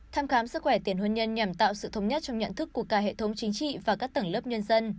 thăm khám sức khỏe tiền hôn nhân nhằm tạo sự thống nhất trong nhận thức của cả hệ thống chính trị và các tầng lớp nhân dân